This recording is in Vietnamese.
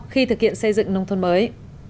khi thực hiện xây dựng nông thôn mới